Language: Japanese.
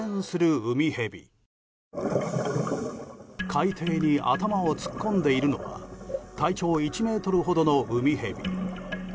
海底に頭を突っ込んでいるのは体長１ｍほどのウミヘビ。